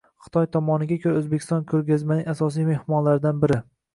Xitoy tomoniga ko'ra, O'zbekiston ko'rgazmaning asosiy mehmonlaridan biri